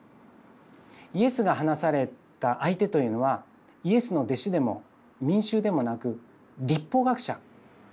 イエスが話された相手というのはイエスの弟子でも民衆でもなく律法学者。